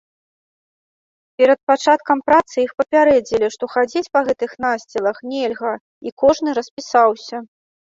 Перад пачаткам працы іх папярэдзілі, што хадзіць па гэтых насцілах нельга і кожны распісаўся.